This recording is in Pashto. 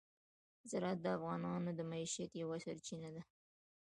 زراعت د افغانانو د معیشت یوه سرچینه ده.